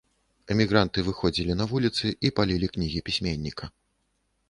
Эмігранты выходзілі на вуліцы і палілі кнігі пісьменніка.